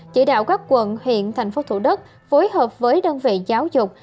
chỉ đạo các quận huyện thành phố thủ đức phối hợp với đơn vị giáo dục